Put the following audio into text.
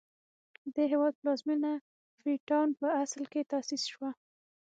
د دې هېواد پلازمېنه فري ټاون په اصل کې تاسیس شوه.